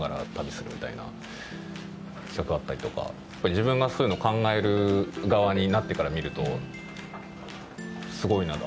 自分がそういうのを考える側になってから見るとすごいなと。